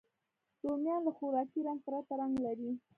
رومیان له خوراکي رنګ پرته رنګ لري